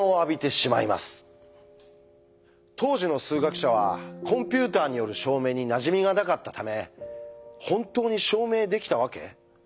当時の数学者はコンピューターによる証明になじみがなかったため「本当に証明できたわけ？」